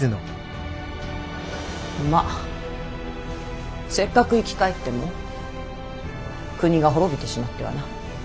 まぁせっかく生き返っても国が滅びてしまってはな。